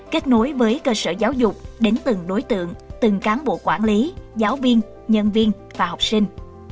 kết nối với cơ sở giáo dục đến từng đối tượng từng cán bộ quản lý giáo viên nhân viên và học sinh